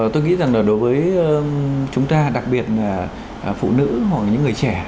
tôi nghĩ rằng là đối với chúng ta đặc biệt là phụ nữ hoặc là những người trẻ